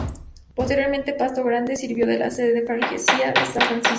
Posteriormente, Pasto Grande sirvió de sede a la Freguesia de São Francisco.